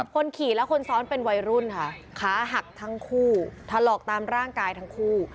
คนขี่และคนซ้อนเป็นวัยรุ่นค่ะขาหักทั้งคู่ถลอกตามร่างกายทั้งคู่